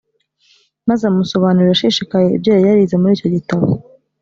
maze amusobanurira ashishikaye ibyo yari yarize muri icyo gitabo